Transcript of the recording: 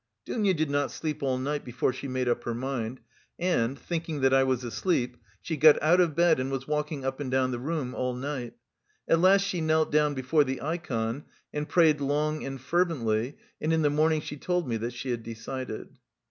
Dounia did not sleep all night before she made up her mind, and, thinking that I was asleep, she got out of bed and was walking up and down the room all night; at last she knelt down before the ikon and prayed long and fervently and in the morning she told me that she had decided.